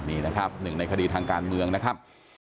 นี่นะครับหนึ่งในคดีทางการเมืองนะครับ